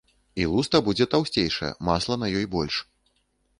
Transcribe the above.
І луста будзе таўсцейшая, масла на ёй больш.